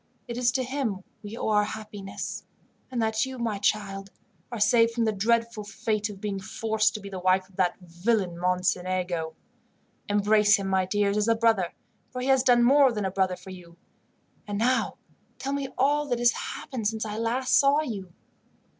It is to him we owe our happiness, and that you, my child, are saved from the dreadful fate of being forced to be the wife of that villain Mocenigo. "Embrace him, my dears, as a brother, for he has done more than a brother for you. And now tell me all that has happened since I last saw you."